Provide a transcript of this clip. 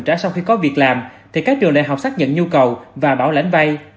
trả sau khi có việc làm thì các trường đại học xác nhận nhu cầu và bảo lãnh vay